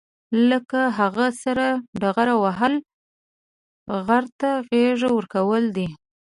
له هغه سره ډغره وهل، غره ته غېږ ورکول دي.